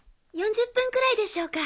４０分くらいでしょうか？